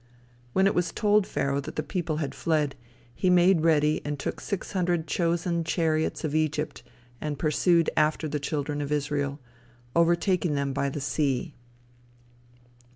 When it was told Pharaoh that the people had fled, he made ready and took six hundred chosen chariots of Egypt, and pursued after the children of Israel, overtaking them by the sea.